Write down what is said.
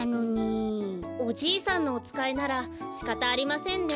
おじいさんのおつかいならしかたありませんね。